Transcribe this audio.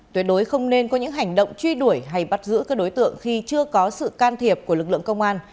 tuyệt đối không nên có những hành động truy đuổi hay bắt giữ các đối tượng khi chưa có sự can thiệp của lực lượng công an